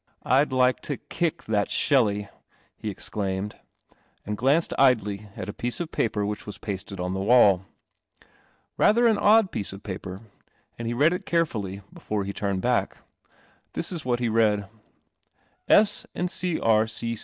lk I'd like t<> kick that Shelley," he exclaimed, and glanced idly at a piece i paper which was pasted on the wall. Rather an odd piece of paper, anil he read it carefully ! el re he turned hack. This is what he read : S. ,\ n d C. R.